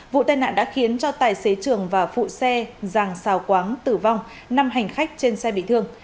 vụ tai nạn đã khiến cho tài xế trường và phụ xe giàng xào quáng tử vong năm hành khách trên xe bị thương